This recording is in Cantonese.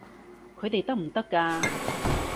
佢哋得唔得㗎？